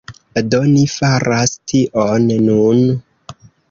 Do, ni faras tion nun